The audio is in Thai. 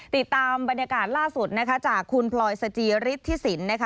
ติดตามบรรยากาศล่าสุดจากคุณปลอยสจีริฐศิลป์